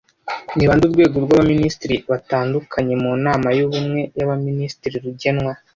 Ni bande urwego rw'abaminisitiri batandukanye mu Nama y'Ubumwe y'abaminisitiri rugenwa